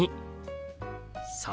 「３」。